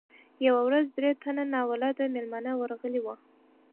یوه ورځ درې تنه ناولده میلمانه ورغلي وو.